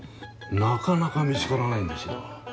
なかなか見つからないんですよ。